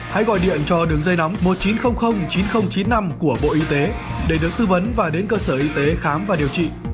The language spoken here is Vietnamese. hãy gọi điện cho đường dây nóng một chín không không chín không chín năm của bộ y tế để được tư vấn và đến cơ sở y tế khám và điều trị